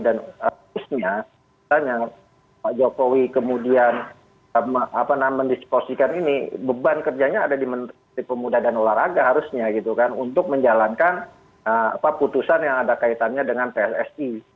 dan harusnya misalnya pak jokowi kemudian mendiskusikan ini beban kerjanya ada di menteri pemuda dan olahraga harusnya gitu kan untuk menjalankan apa putusan yang ada kaitannya dengan pssi